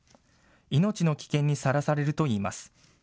命の危険にさらされるといいます。